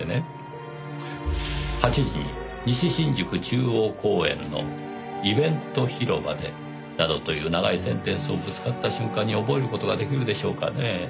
「８時に西新宿中央公園のイベント広場で」などという長いセンテンスをぶつかった瞬間に覚える事が出来るでしょうかねぇ。